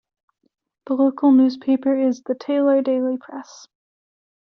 The local newspaper is the "Taylor Daily Press".